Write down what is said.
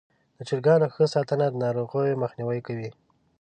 د چرګانو ښه ساتنه د ناروغیو مخنیوی کوي.